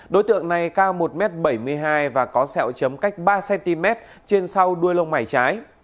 đối tượng này cao một m bảy mươi hai và có sẹo chấm cách ba cm trên sau đuôi lông mày trái